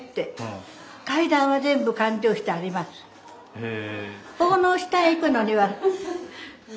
へえ。